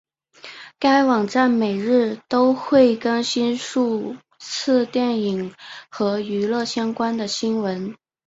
该网站每日都会更新数次电影和娱乐相关的新闻。